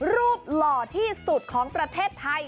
หล่อที่สุดของประเทศไทย